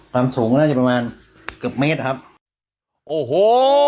ความสูงก็น่าจะประมาณเกือบเมตรครับโอ้โห